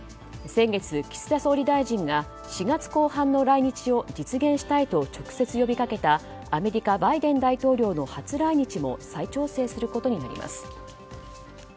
先月、岸田総理大臣が４月後半の来日を実現したいと直接呼びかけたアメリカ、バイデン大統領の初来日も再調整することになります。